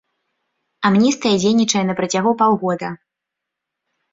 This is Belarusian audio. Амністыя дзейнічае на працягу паўгода.